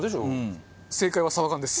正解はサバ缶です。